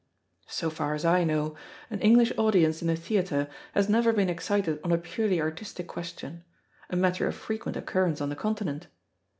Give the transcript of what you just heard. So far as I know, an English audience in the theatre has never been excited on a purely artistic question a matter of frequent occurrence on the Continent.